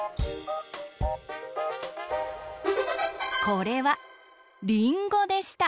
これはりんごでした。